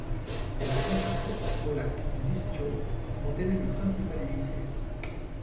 Elle prend sa source au lac Bistcho dont elle est le principal émissaire.